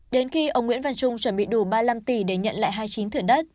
đến khi ông nguyễn văn trung chuẩn bị đủ ba mươi năm tỷ để nhận lại hai mươi chín thửa đất